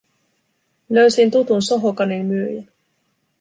Löysin tutun sohokanin myyjän.